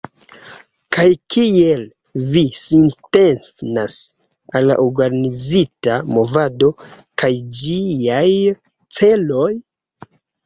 Kaj kiel vi sintenas al la organizita movado kaj ĝiaj celoj?